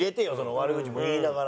悪口も言いながら。